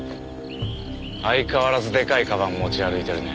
相変わらずでかいかばん持ち歩いてるね。